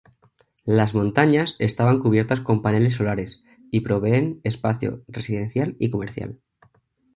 Las "montañas" estaban cubiertas con paneles solares y proveen espacio residencial y comercial.